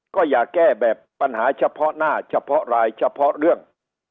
ก็อย่าแก้แบบปัญหาเฉพาะหน้าเฉพาะรายเฉพาะเรื่อง